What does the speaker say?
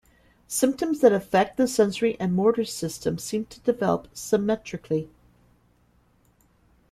Symptoms that affect the sensory and motor systems seem to develop symmetrically.